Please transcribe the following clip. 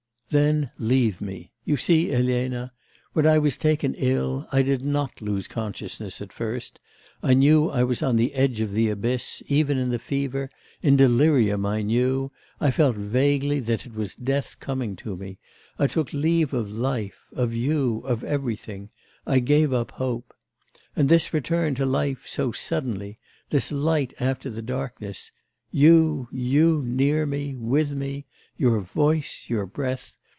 'Then leave me! You see, Elena, when I was taken ill, I did not lose consciousness at first; I knew I was on the edge of the abyss; even in the fever, in delirium I knew, I felt vaguely that it was death coming to me, I took leave of life, of you, of everything; I gave up hope.... And this return to life so suddenly; this light after the darkness, you you near me, with me your voice, your breath....